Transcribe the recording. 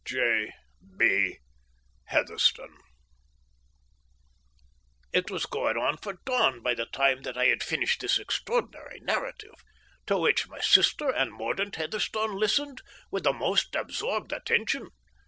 "J. B. HEATHERSTONE." It was going on for dawn by the time that I had finished this extraordinary narrative, to which my sister and Mordaunt Heatherstone listened with the most absorbed attention.